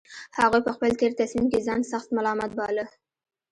هغوی په خپل تېر تصميم کې ځان سخت ملامت باله